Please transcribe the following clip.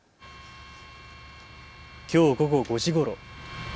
きょう午後５時ごろ。